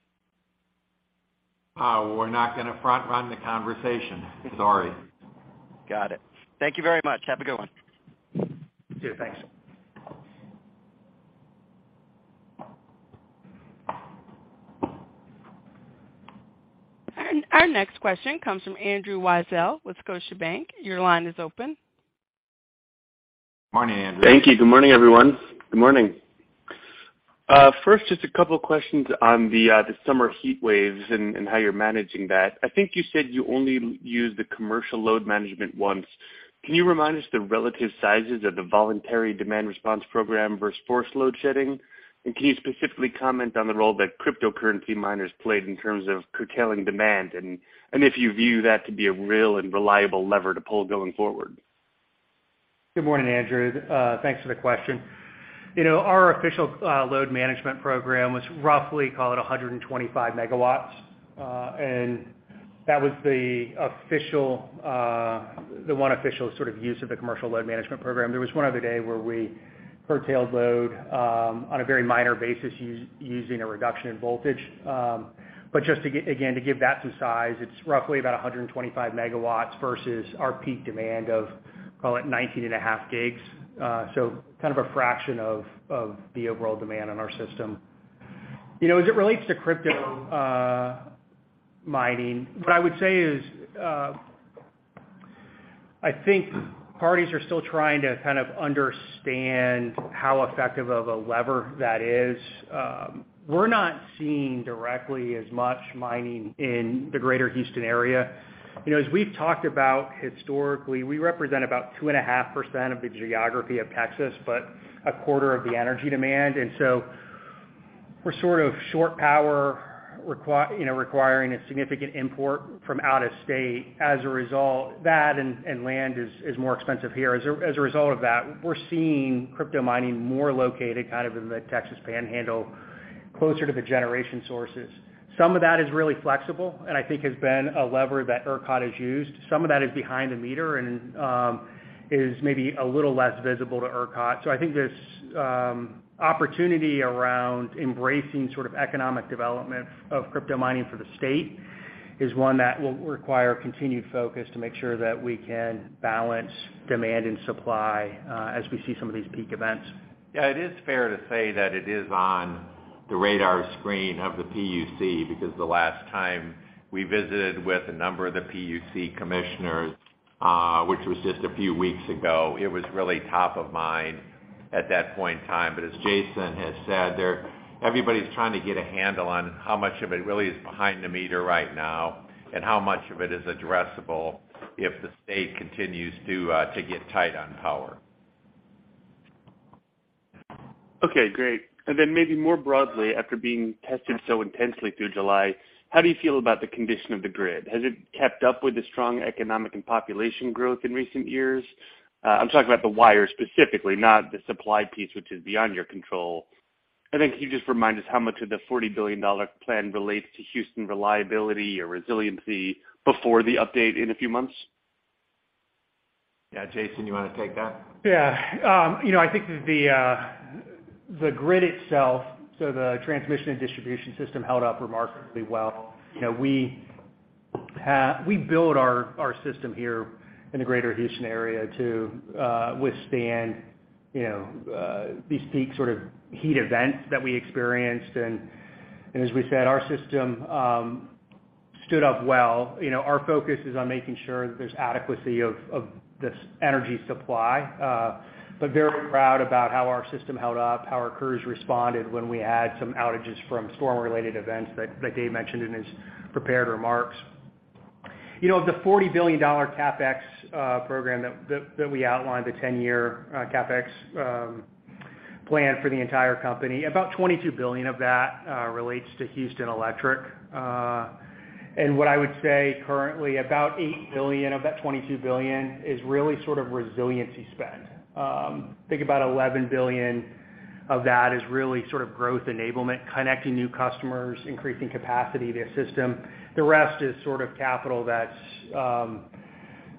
We're not gonna front run the conversation. Sorry.
Got it. Thank you very much. Have a good one.
See you. Thanks.
Our next question comes from Andrew Weisel with Scotiabank. Your line is open.
Morning, Andrew.
Thank you. Good morning, everyone. Good morning. First, just a couple of questions on the summer heat waves and how you're managing that. I think you said you only used the commercial load management once. Can you remind us the relative sizes of the voluntary demand response program versus forced load shedding? Can you specifically comment on the role that cryptocurrency miners played in terms of curtailing demand and if you view that to be a real and reliable lever to pull going forward?
Good morning, Andrew. Thanks for the question. You know, our official load management program was roughly, call it 125 MW. That was the 1 official sort of use of the commercial load management program. There was 1 other day where we curtailed load on a very minor basis using a reduction in voltage. Just to again to give that to size, it's roughly about 125 MW versus our peak demand of, call it 19.5 GW. Kind of a fraction of the overall demand on our system. You know, as it relates to crypto mining, what I would say is I think parties are still trying to kind of understand how effective of a lever that is. We're not seeing directly as much mining in the Greater Houston area. You know, as we've talked about historically, we represent about 2.5% of the geography of Texas, but 25% of the energy demand. We're sort of short power requiring a significant import from out of state as a result. That and land is more expensive here. As a result of that, we're seeing crypto mining more located kind of in the Texas Panhandle, closer to the generation sources. Some of that is really flexible and I think has been a lever that ERCOT has used. Some of that is behind the meter and is maybe a little less visible to ERCOT. I think there's opportunity around embracing sort of economic development of crypto mining for the state, is 1 that will require continued focus to make sure that we can balance demand and supply, as we see some of these peak events.
Yeah, it is fair to say that it is on the radar screen of the PUC, because the last time we visited with a number of the PUC commissioners, which was just a few weeks ago, it was really top of mind at that point in time. As Jason has said, everybody's trying to get a handle on how much of it really is behind the meter right now and how much of it is addressable if the state continues to get tight on power.
Okay, great. Maybe more broadly, after being tested so intensely through July, how do you feel about the condition of the grid? Has it kept up with the strong economic and population growth in recent years? I'm talking about the wire specifically, not the supply piece, which is beyond your control. Can you just remind us how much of the $40 billion plan relates to Houston reliability or resiliency before the update in a few months?
Yeah, Jason, you wanna take that?
Yeah. You know, I think the grid itself, so the transmission and distribution system held up remarkably well. You know, we build our system here in the Greater Houston area to withstand, you know, these peak sort of heat events that we experienced. As we said, our system stood up well. You know, our focus is on making sure that there's adequacy of this energy supply. Very proud about how our system held up, how our crews responded when we had some outages from storm-related events that Dave mentioned in his prepared remarks. You know, the $40 billion CapEx program that we outlined, the 10-year CapEx plan for the entire company, about $22 billion of that relates to Houston Electric. What I would say currently, about $8 billion of that $22 billion is really sort of resiliency spend. Think about $11 billion of that is really sort of growth enablement, connecting new customers, increasing capacity to the system. The rest is sort of capital that's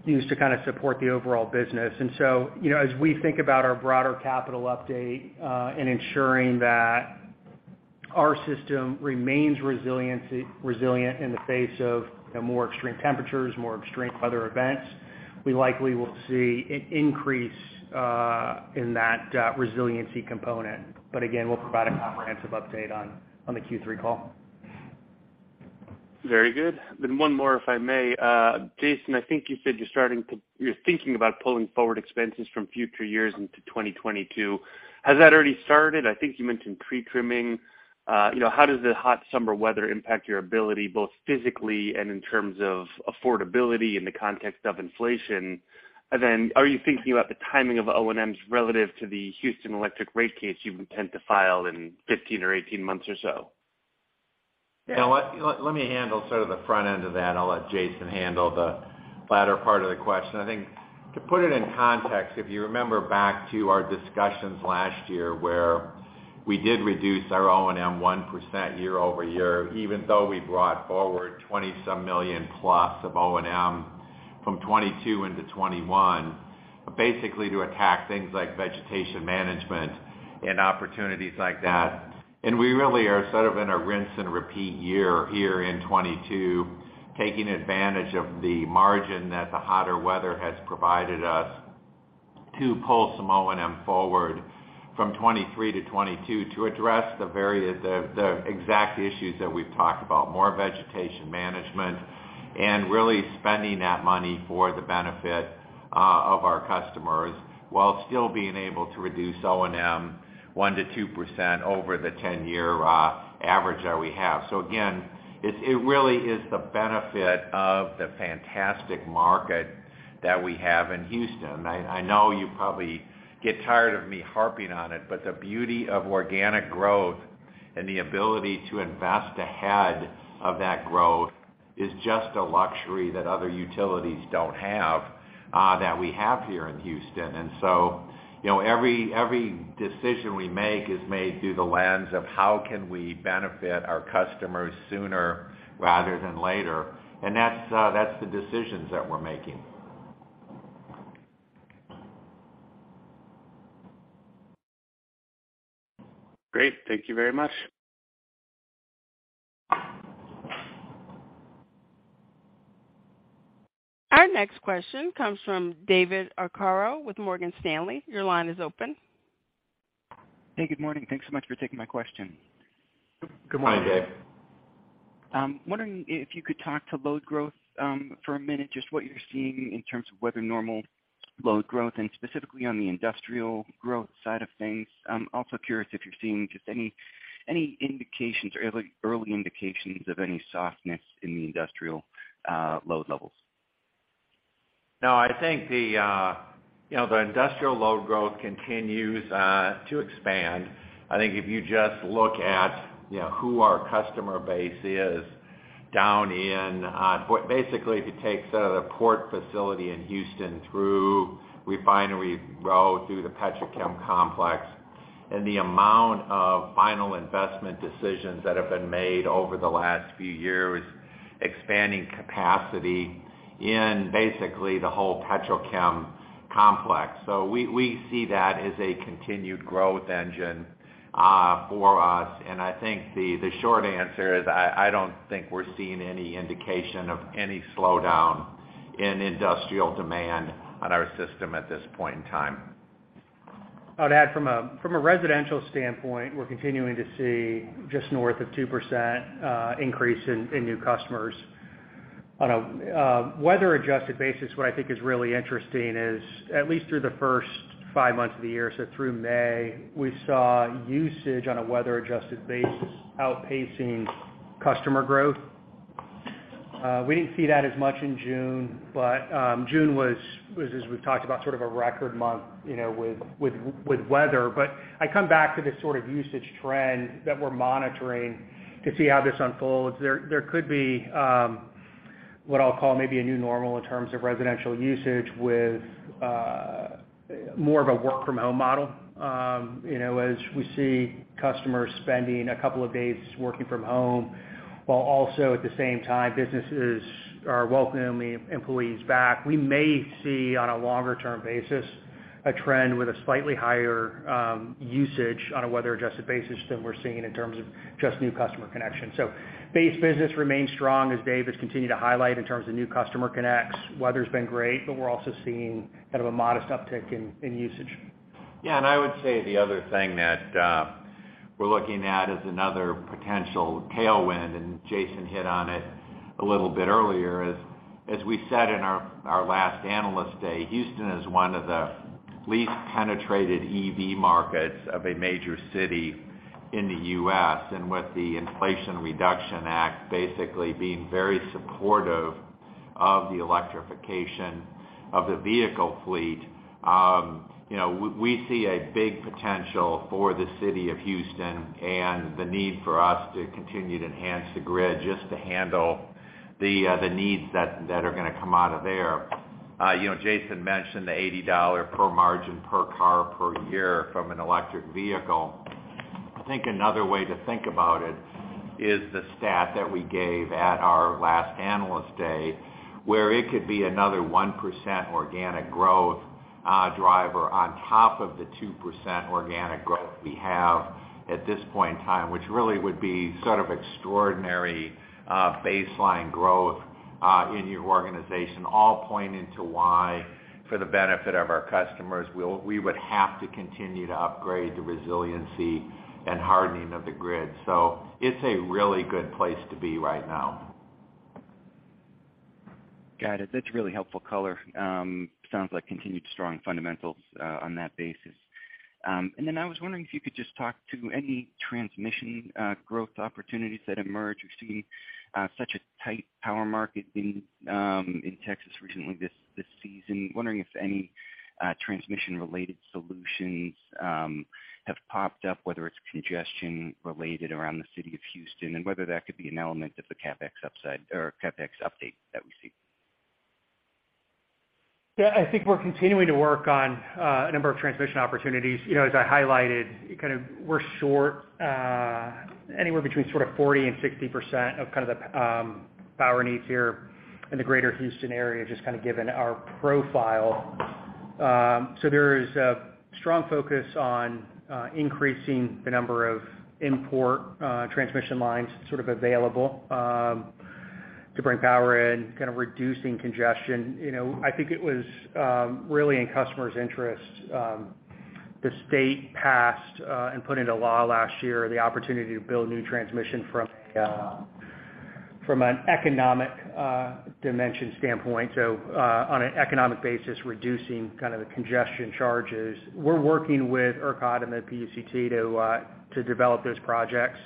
used to kind of support the overall business. You know, as we think about our broader capital update, in ensuring that our system remains resilient in the face of, you know, more extreme temperatures, more extreme weather events, we likely will see an increase in that resiliency component. But again, we'll provide a comprehensive update on the Q3 call.
Very good. 1 more, if I may. Jason, I think you said you're thinking about pulling forward expenses from future years into 2022. Has that already started? I think you mentioned pre-trimming. You know, how does the hot summer weather impact your ability, both physically and in terms of affordability in the context of inflation? Are you thinking about the timing of O&Ms relative to the Houston Electric rate case you intend to file in 15 or 18 months or so?
Yeah. Let me handle sort of the front end of that. I'll let Jason handle the latter part of the question. I think to put it in context, if you remember back to our discussions last year where we did reduce our O&M 1% year-over-year, even though we brought forward $20-some million+ of O&M from 2022 into 2021, basically to attack things like vegetation management and opportunities like that. We really are sort of in a rinse and repeat year here in 2022, taking advantage of the margin that the hotter weather has provided us to pull some O&M forward from 2023 to 2022 to address the exact issues that we've talked about, more vegetation management and really spending that money for the benefit of our customers while still being able to reduce O&M 1% to 2% over the 10-year average that we have. Again, it really is the benefit of the fantastic market that we have in Houston. I know you probably get tired of me harping on it, but the beauty of organic growth and the ability to invest ahead of that growth is just a luxury that other utilities don't have that we have here in Houston. You know, every decision we make is made through the lens of how can we benefit our customers sooner rather than later. That's the decisions that we're making.
Great. Thank you very much.
Our next question comes from David Arcaro with Morgan Stanley. Your line is open.
Hey, good morning. Thanks so much for taking my question.
Good morning, Dave.
Wondering if you could talk to load growth for a minute, just what you're seeing in terms of weather-normalized load growth and specifically on the industrial growth side of things. I'm also curious if you're seeing just any indications or early indications of any softness in the industrial load levels.
No, I think the, you know, the industrial load growth continues to expand. I think if you just look at, you know, who our customer base is down in, basically, if you take sort of the port facility in Houston through Refinery Row through the Petrochem Complex, and the amount of final investment decisions that have been made over the last few years, expanding capacity in basically the whole Petrochem Complex. We see that as a continued growth engine for us. I think the short answer is, I don't think we're seeing any indication of any slowdown in industrial demand on our system at this point in time. I'd add from a residential standpoint, we're continuing to see just north of 2% increase in new customers. On a weather-adjusted basis, what I think is really interesting is at least through the first 5 months of the year, so through May, we saw usage on a weather-adjusted basis outpacing customer growth. We didn't see that as much in June, but June was as we've talked about, sort of a record month, you know, with weather. I come back to this sort of usage trend that we're monitoring to see how this unfolds. There could be what I'll call maybe a new normal in terms of residential usage with more of a work-from-home model. You know, as we see customers spending a couple of days working from home, while also at the same time, businesses are welcoming employees back. We may see on a longer-term basis a trend with a slightly higher usage on a weather-adjusted basis than we're seeing in terms of just new customer connections. Base business remains strong, as Dave has continued to highlight in terms of new customer connects. Weather's been great, but we're also seeing kind of a modest uptick in usage.
Yeah, I would say the other thing that we're looking at is another potential tailwind, and Jason hit on it a little bit earlier. As we said in our last Analyst Day, Houston is one of the least penetrated EV markets of a major city in the U.S. With the Inflation Reduction Act basically being very supportive of the electrification of the vehicle fleet, you know, we see a big potential for the City of Houston and the need for us to continue to enhance the grid just to handle the needs that are gonna come out of there. You know, Jason mentioned the $80 margin per car per year from an electric vehicle. I think another way to think about it is the stat that we gave at our last Analyst Day, where it could be another 1% organic growth driver on top of the 2% organic growth we have at this point in time, which really would be sort of extraordinary baseline growth in your organization, all pointing to why, for the benefit of our customers, we would have to continue to upgrade the resiliency and hardening of the grid. It's a really good place to be right now.
Got it. That's really helpful color. Sounds like continued strong fundamentals on that basis. I was wondering if you could just talk to any transmission growth opportunities that emerge. We're seeing such a tight power market in Texas recently this season. Wondering if any transmission-related solutions have popped up, whether it's congestion-related around the City of Houston, and whether that could be an element of the CapEx upside or CapEx update that we see.
Yeah, I think we're continuing to work on a number of transmission opportunities. You know, as I highlighted, kind of we're short anywhere between sort of 40% to 60% of kind of the power needs here in the greater Houston area, just kind of given our profile. There is a strong focus on increasing the number of import transmission lines sort of available. To bring power in, kind of reducing congestion. You know, I think it was really in customers' interest. The state passed and put into law last year the opportunity to build new transmission from an economic dimension standpoint. On an economic basis, reducing kind of the congestion charges. We're working with ERCOT and the PUCT to develop those projects.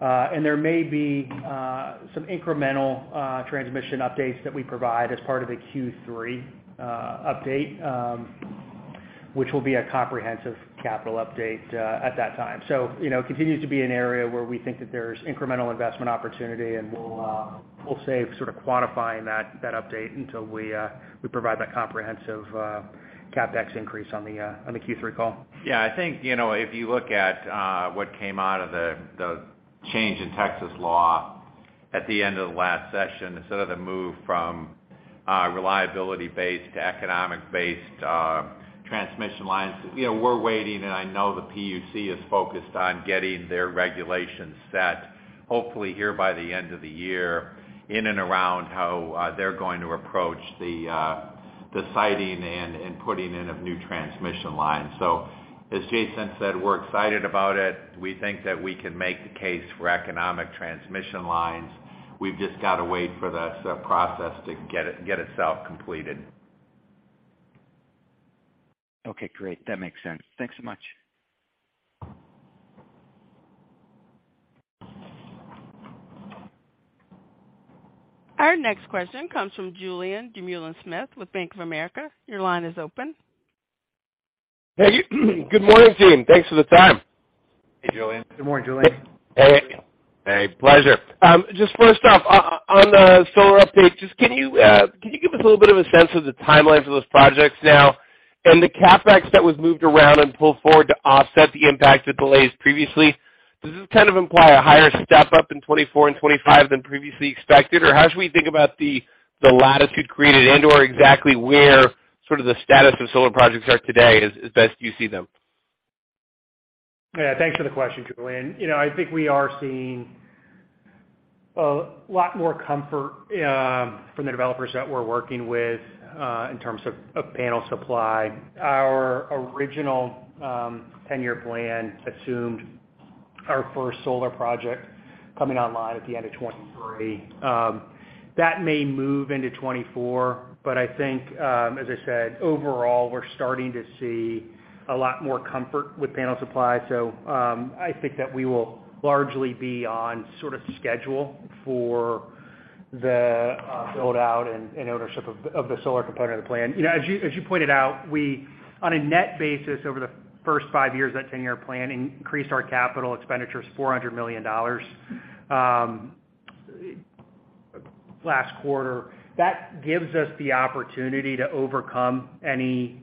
There may be some incremental transmission updates that we provide as part of the Q3 update, which will be a comprehensive capital update at that time. You know, it continues to be an area where we think that there's incremental investment opportunity, and we'll save sort of quantifying that update until we provide that comprehensive CapEx increase on the Q3 call.
Yeah. I think, you know, if you look at what came out of the change in Texas law at the end of the last session, sort of the move from reliability-based to economic-based transmission lines, you know, we're waiting, and I know the PUC is focused on getting their regulations set, hopefully here by the end of the year in and around how they're going to approach the siting and putting in of new transmission lines. As Jason said, we're excited about it. We think that we can make the case for economic transmission lines. We've just got to wait for the process to get itself completed.
Okay, great. That makes sense. Thanks so much.
Our next question comes from Julien Dumoulin-Smith with Bank of America. Your line is open.
Hey. Good morning, team. Thanks for the time.
Hey, Julien.
Good morning, Julien.
Hey. Hey, pleasure. Just first off, on the solar update, just can you give us a little bit of a sense of the timelines of those projects now? The CapEx that was moved around and pulled forward to offset the impact of delays previously, does this kind of imply a higher step up in 2024 and 2025 than previously expected? Or how should we think about the latitude created and/or exactly where sort of the status of solar projects are today as best you see them?
Yeah, thanks for the question, Julien. You know, I think we are seeing a lot more comfort from the developers that we're working with in terms of panel supply. Our original 10-year plan assumed our first solar project coming online at the end of 2023. That may move into 2024, but I think, as I said, overall, we're starting to see a lot more comfort with panel supply. I think that we will largely be on sort of schedule for the build-out and ownership of the solar component of the plan. You know, as you pointed out, we, on a net basis, over the first 5 years of that 10-year plan, increased our capital expenditures $400 million last quarter. That gives us the opportunity to overcome any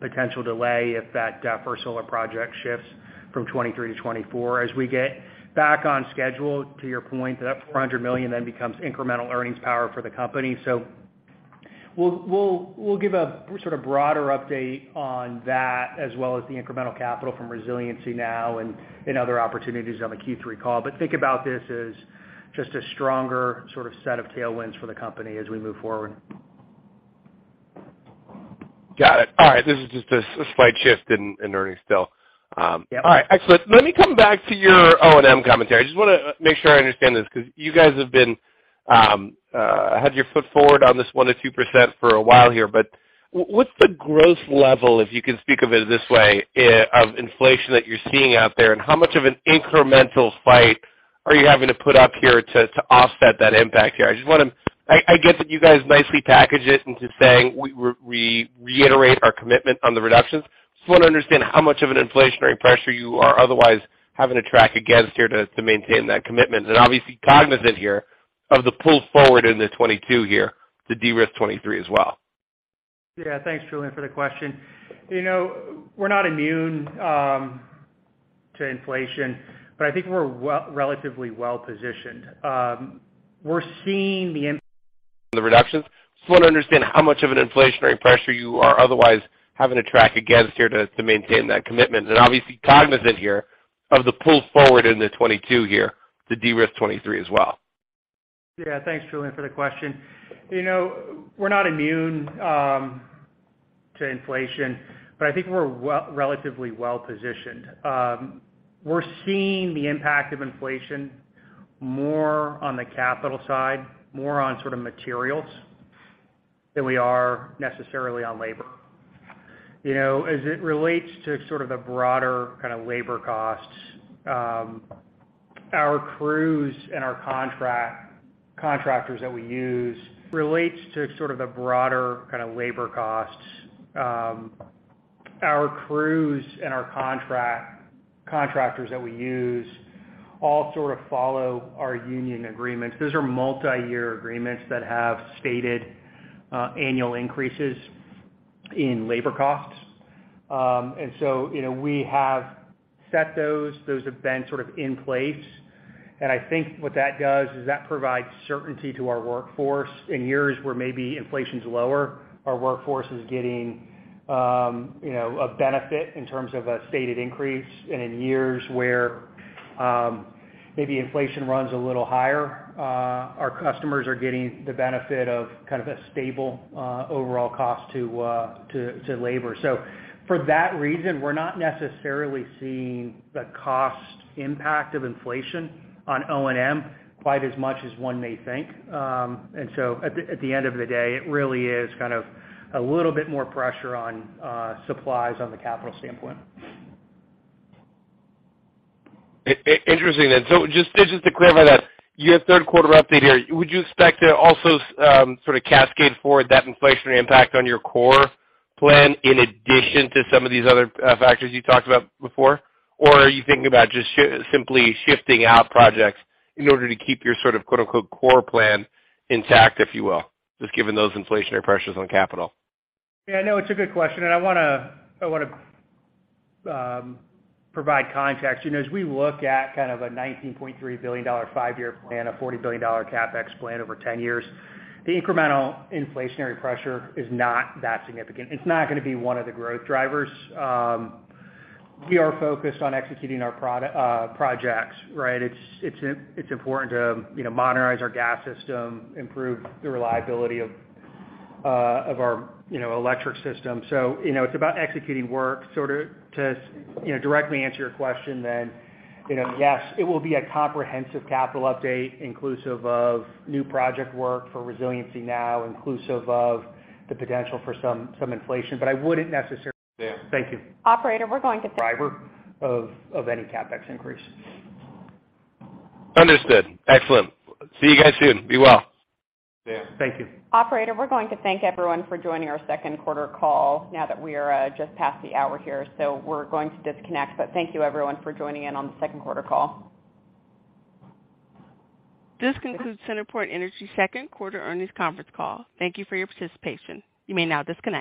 potential delay if that first solar project shifts from 2023 to 2024. As we get back on schedule, to your point, that $400 million then becomes incremental earnings power for the company. We'll give a sort of broader update on that as well as the incremental capital from Resilient Now and other opportunities on the Q3 call. Think about this as just a stronger sort of set of tailwinds for the company as we move forward.
Got it. All right. This is just a slight shift in earnings still.
Yeah.
All right. Excellent. Let me come back to your O&M commentary. I just wanna make sure I understand this because you guys have been putting your foot forward on this 1% to 2% for a while here. What's the growth level, if you can speak of it this way, of inflation that you're seeing out there? How much of an incremental fight are you having to put up here to offset that impact here? I get that you guys nicely package it into saying we reiterate our commitment on the reductions. Just wanna understand how much of an inflationary pressure you are otherwise having to track against here to maintain that commitment. Obviously cognizant here of the pull forward into 2022 here to de-risk 2023 as well.
Yeah. Thanks, Julien, for the question. You know, we're not immune to inflation, but I think we're relatively well-positioned. We're seeing the imp-
The reductions. Just wanna understand how much of an inflationary pressure you are otherwise having to track against here to maintain that commitment. Obviously cognizant here of the pull forward into 2022 here to de-risk 2023 as well.
Yeah. Thanks, Julien, for the question. You know, we're not immune to inflation, but I think we're relatively well-positioned. We're seeing the impact of inflation more on the capital side, more on sort of materials than we are necessarily on labor. You know, as it relates to sort of the broader kind of labor costs, our crews and our contractors that we use all sort of follow our union agreements. Those are multiyear agreements that have stated annual increases in labor costs. You know, we have set those. Those have been sort of in place. I think what that does is that provides certainty to our workforce. In years where maybe inflation's lower, our workforce is getting, you know, a benefit in terms of a stated increase. In years where maybe inflation runs a little higher, our customers are getting the benefit of kind of a stable overall cost to labor. For that reason, we're not necessarily seeing the cost impact of inflation on O&M quite as much as 1 may think. At the end of the day, it really is kind of a little bit more pressure on supplies on the capital standpoint.
Interesting. Just to clarify that, your Q3 update here, would you expect to also sort of cascade forward that inflationary impact on your core plan in addition to some of these other factors you talked about before? Or are you thinking about just simply shifting out projects in order to keep your sort of quote-unquote core plan intact, if you will, just given those inflationary pressures on capital?
Yeah, no, it's a good question, and I wanna provide context. You know, as we look at kind of a $19.3 billion 5-year plan, a $40 billion CapEx plan over 10 years, the incremental inflationary pressure is not that significant. It's not gonna be one of the growth drivers. We are focused on executing our projects, right? It's important to, you know, modernize our gas system, improve the reliability of our electric system. You know, it's about executing work. To directly answer your question, you know, yes, it will be a comprehensive capital update, inclusive of new project work for Resilient Now, inclusive of the potential for some inflation, but I wouldn't necessarily.
Yeah, thank you.
Operator, we're going to-
driver of any CapEx increase.
Understood. Excellent. See you guys soon. Be well.
Yeah, thank you.
Operator, we're going to thank everyone for joining our Q2 call now that we are just past the hour here, so we're going to disconnect. Thank you, everyone, for joining in on the Q2 call.
This concludes CenterPoint Energy's Q2 earnings conference call. Thank you for your participation. You may now disconnect.